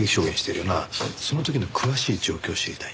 その時の詳しい状況を知りたい。